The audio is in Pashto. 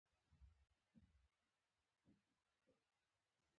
تاریخي دلیل یې دا دی.